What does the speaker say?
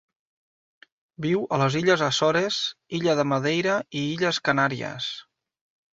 Viu a les Illes Açores, Illa de Madeira i Illes Canàries.